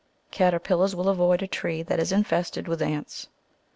Caterpillars will avoid a tree that is infested with ants.